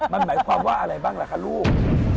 มันหมายความว่าอะไรบ้างล่ะคะลูก